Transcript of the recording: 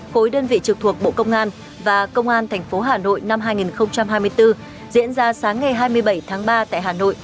khối đơn vị trực thuộc bộ công an và công an tp hà nội năm hai nghìn hai mươi bốn diễn ra sáng ngày hai mươi bảy tháng ba tại hà nội